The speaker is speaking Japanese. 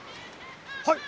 はい！